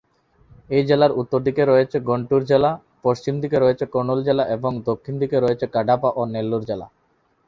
এই জেলার উত্তর দিকে রয়েছে গুন্টুর জেলা, পশ্চিম দিকে রয়েছে কুর্নুল জেলা এবং দক্ষিণ দিকে রয়েছে কাডাপা ও নেল্লোর জেলা।